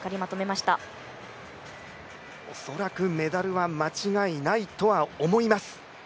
恐らくメダルは間違いないとは思います。